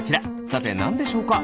さてなんでしょうか？